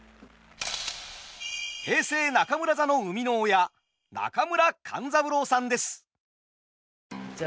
平成中村座の生みの親中村勘三郎さんです。